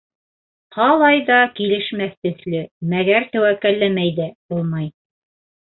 Ҡалай ҙа килешмәҫ төҫлө, мәгәр тәүәккәлләмәй ҙә булмай.